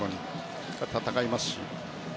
戦いますし。